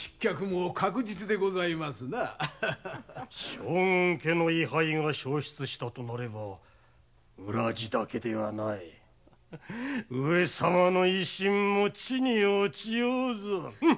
将軍家の位牌が焼失すれば浦路だけではない上様の威信も地に落ちようぞ。